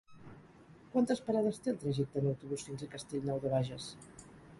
Quantes parades té el trajecte en autobús fins a Castellnou de Bages?